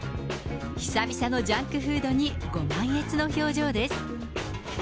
久々のジャンクフードにご満悦の表情です。